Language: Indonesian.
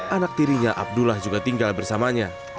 anak tirinya abdullah juga tinggal bersamanya